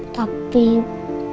tapi papa malah terima telepon